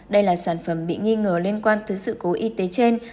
đây là sản phẩm bị nghi ngờ liên quan tới sự cố y tế trên